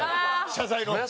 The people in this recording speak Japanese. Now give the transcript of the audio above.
謝罪の。